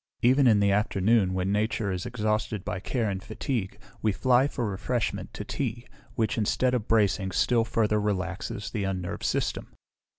Even in the afternoon, when nature is exhausted by care and fatigue, we fly for refreshment to tea, which, instead of bracing, still further relaxes the unnerved system.